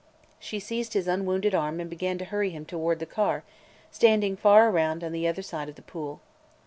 She seized his unwounded arm and began to hurry him toward the car, standing far around on the other side of the pool.